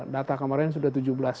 data kemarin sudah tujuh belas